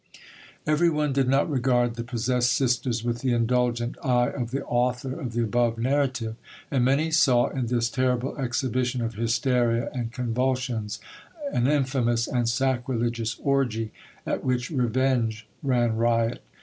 Everyone did not regard the possessed sisters with the indulgent eye of the author of the above narrative, and many saw in this terrible exhibition of hysteria and convulsions an infamous and sacrilegious orgy, at which revenge ran riot.